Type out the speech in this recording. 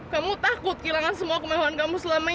kamu takut kehilangan semua kemauan kamu selama ini